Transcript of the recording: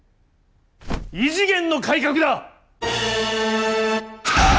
異次元の改革だ！